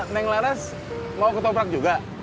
neng laras mau ke ketoprak juga